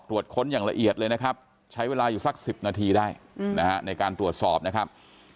ค้นอย่างละเอียดเลยนะครับใช้เวลาอยู่สัก๑๐นาทีได้นะฮะในการตรวจสอบนะครับ